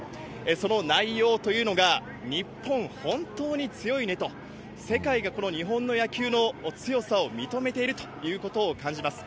その内容というのが、日本、本当に強いねと、世界がこの日本の野球の強さを認めているということを感じます。